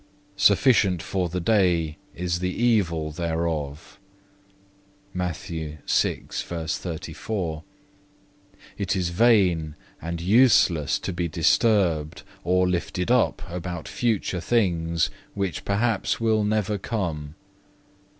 Sufficient for the day is the evil thereof.(2) It is vain and useless to be disturbed or lifted up about future things which perhaps will never come.